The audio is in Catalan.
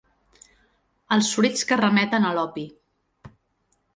Els fruits que remeten a l'opi.